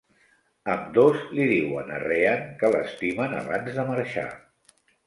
Ambdós li diuen a Rehan que l'estimen abans de marxar.